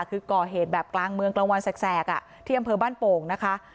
คือก่อเหตุแบบกลางเมืองกลางวันแสกที่อำเภอบ้านโป่งนะคะ